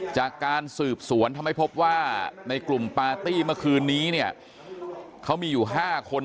จากการสืบสวนทำให้พบว่าในกลุ่มปาร์ตี้เมื่อคืนนี้เนี่ยเขามีอยู่๕คน